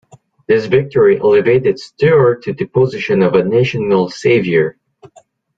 This victory elevated Sture to the position of a national savior.